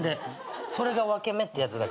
それが分け目ってやつだから。